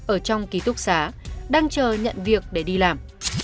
ở trong ký túc xá đang chờ nhận việc để đi làm